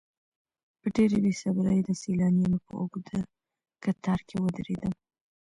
په ډېرې بې صبرۍ د سیلانیانو په اوږده کتار کې ودرېدم.